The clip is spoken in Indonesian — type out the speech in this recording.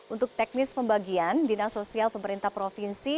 untuk teknis pembagian dinas sosial pemerintah provinsi